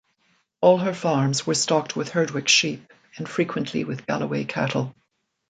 All her farms were stocked with Herdwick sheep and frequently with Galloway cattle.